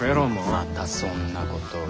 またそんなことを。